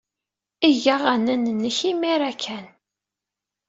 Eg aɣanen-nnek imir-a kan.